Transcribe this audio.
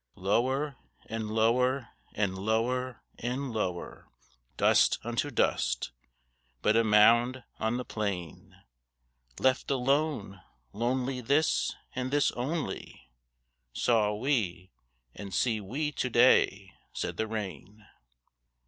Lower, and lower, and lower, and lower, Dust unto dust but a mound on the plain. Left alone, lonely, this, and this only, Saw we, and see we to day, said the rain.